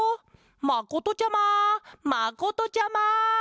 まことちゃままことちゃま！